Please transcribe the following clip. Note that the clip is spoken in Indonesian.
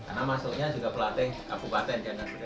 karena masuknya juga pelateng kabupaten